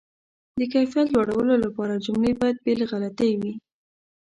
د کیفیت لوړولو لپاره، جملې باید بې له غلطۍ وي.